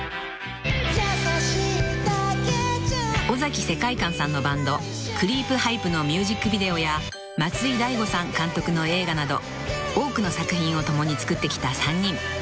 ［尾崎世界観さんのバンドクリープハイプのミュージックビデオや松居大悟さん監督の映画など多くの作品を共に作ってきた３人］